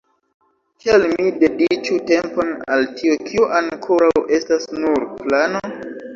Kial mi dediĉu tempon al tio, kio ankoraŭ estas nur plano?